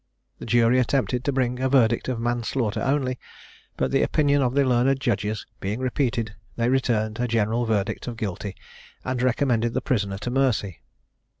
The Jury attempted to bring in a verdict of manslaughter only, but the opinion of the learned Judges being repeated they returned a general verdict of guilty, and recommended the prisoner to mercy.